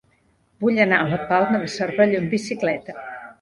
Vull anar a la Palma de Cervelló amb bicicleta.